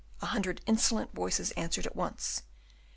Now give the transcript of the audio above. a hundred insolent voices answered at once.